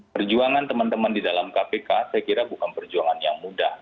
perjuangan teman teman di dalam kpk saya kira bukan perjuangan yang mudah